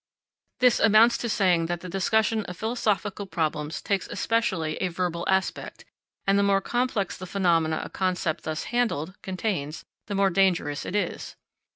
This amounts to saying that the discussion of philosophical problems takes especially a verbal aspect; and the more complex the phenomena a concept thus handled, contains, the more dangerous it is.